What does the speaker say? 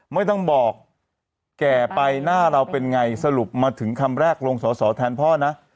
ไม่ต้องบอกแก่ไปหน้าเราเป็นไงสรุปมาถึงคำแรกลงสอสอแทนพ่อนะ